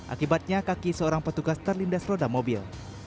akibatnya kaki seorang petugas terlindas roda mobil